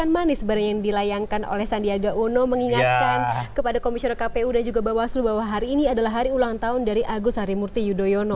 dan sempat ada tindakan manis yang dilayangkan oleh sandiaga uno mengingatkan kepada komisar kpu dan juga bawaslu bahwa hari ini adalah hari ulang tahun dari agus harimurti yudhoyono